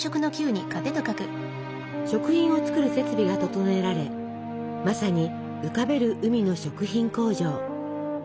食品を作る設備が整えられまさに「浮かべる海の食品工場」。